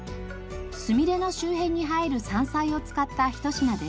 スミレの周辺に生える山菜を使ったひと品です。